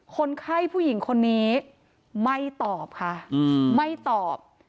คนไข้ผู้หญิงคนนี้ไม่ตอบค่ะไม่ตอบ